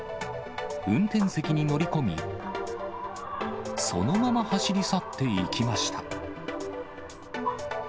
運転席に乗り込み、そのまま走り去っていきました。